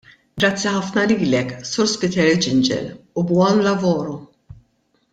Grazzi ħafna lilek, Sur Spiteri Gingell, u buon lavoro.